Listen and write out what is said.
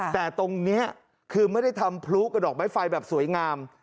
แต่ตรงนี้คือไม่ได้ทำพลุกับดอกไม้ไฟแบบสวยงาม